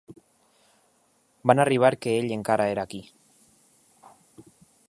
Van arribar que ell encara era aquí.